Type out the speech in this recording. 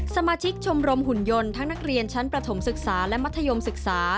สมาชิกชมรมหุ่นยนต์ทั้งนักเรียนชั้นประถมศึกษาและมัธยมศึกษา